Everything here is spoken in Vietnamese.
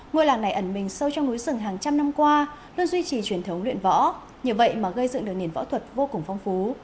ngôi làng này ẩn mình sâu trong núi rừng hàng trăm năm qua luôn duy trì truyền thống luyện võ như vậy mà gây dựng được nền võ thuật vô cùng phong phú